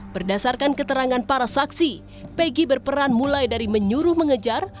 berdasarkan keterangan para saksi peggy berperan mulai dari menyuruh mengejar